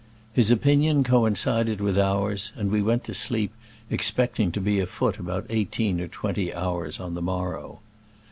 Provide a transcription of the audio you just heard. His opinion coincided with ours, and we went to sleep, expecting to be afoot about eighteen or twenty hours on the morrow.